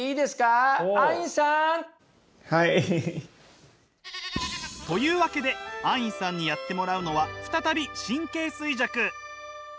はい！というわけでアインさんにやってもらうのは再び神経衰弱。